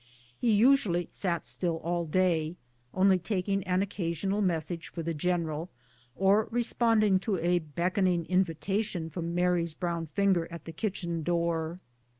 ^ He usually sat still all day, only taking an occasional mes sage for the general, or responding to a beckoning invi tation from Mary's brown finger at the kitchen door.